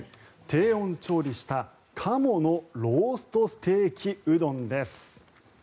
低温調理した、鴨のローストステーキうどんです。